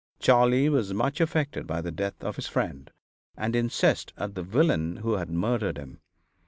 Charley was much affected by the death of his friend, and incensed at the villain who had murdered him.